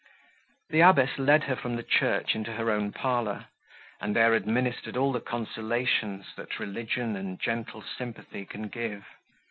The abbess led her from the church into her own parlour, and there administered all the consolations, that religion and gentle sympathy can give.